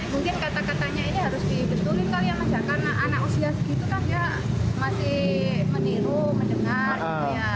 mungkin kata katanya ini harus dihitungin kali ya karena anak usia segitu kan ya masih meniru mendengar